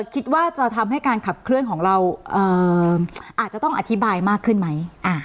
คิดว่าจะทำให้การขับเคลื่อนของเราอาจจะต้องอธิบายมากขึ้นไหม